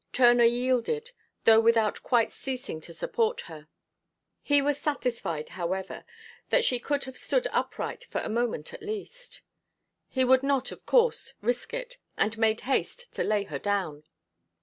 Turner yielded, though without quite ceasing to support her. He was satisfied, however, that she could have stood upright for a moment at least. He would not, of course, risk it, and made haste to lay her down.